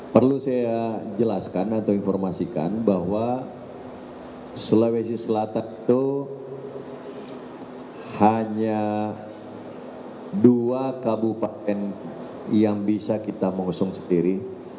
perlu saya jelaskan atau informasikan bahwa sulawesi selatan itu hanya dua kabupaten yang bisa kita mengusung sendiri